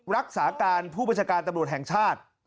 รักษาการผู้บัญชาการตำรวจแห่งชาติ